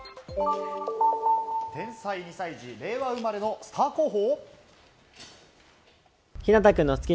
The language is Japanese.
天才２歳児、令和生まれのスター候補？